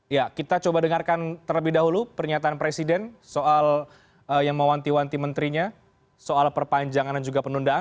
ya kita coba dengarkan terlebih dahulu pernyataan presiden soal yang mewanti wanti menterinya soal perpanjangan dan juga penundaan